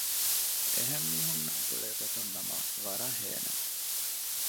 އެހެން މީހުންނާ ގުޅޭ ގޮތުން ނަމަ ވަރަށް ހޭނނެ